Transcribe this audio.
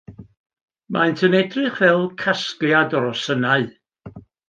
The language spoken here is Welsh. Maent yn edrych fel casgliad o rosynnau